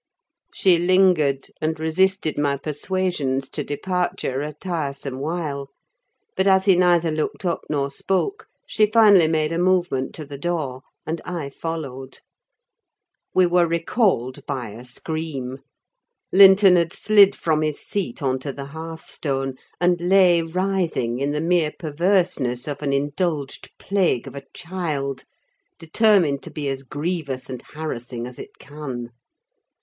She lingered, and resisted my persuasions to departure a tiresome while; but as he neither looked up nor spoke, she finally made a movement to the door, and I followed. We were recalled by a scream. Linton had slid from his seat on to the hearthstone, and lay writhing in the mere perverseness of an indulged plague of a child, determined to be as grievous and harassing as it can.